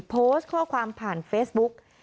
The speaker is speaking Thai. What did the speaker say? โพสต์ข้อความผ่านเฟซบุ๊ก